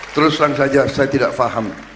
terus terang saja saya tidak paham